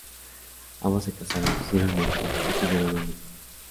Ambos se casaron posteriormente y tuvieron un hijo.